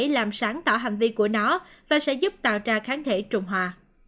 làm sáng tỏ hành vi của nó và sẽ giúp tạo ra kháng thể trùng hòa